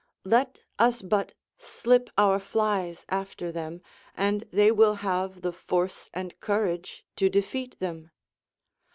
Let us but slip our flies after them, and they will have the force and courage to defeat them.